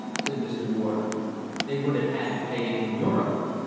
said Mr. Warden. "They would have had to pay it in Europe."